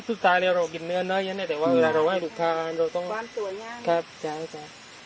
สุดท้ายเรากินเนื้อเนื้อยังเนี่ยแต่ว่าเวลาเรากินลูกค้านเราต้องความสวยง่ายครับจ้ะจ้ะ